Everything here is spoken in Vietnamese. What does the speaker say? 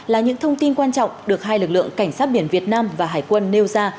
là những thông tin quan trọng được hai lực lượng cảnh sát biển việt nam và hải quân nêu ra